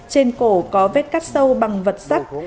trên cổ có vết cắt sâu bằng vật sắc